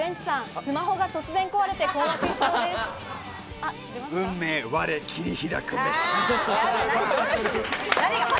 スマホが突然壊れて困惑しそうです。